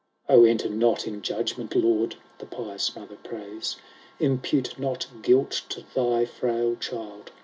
" O enter not in judgment, Lord !" The pious mother prays ; "Impute not guilt to thy frail child